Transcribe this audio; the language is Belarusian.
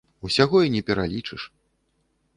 Усяго і не пералічыш.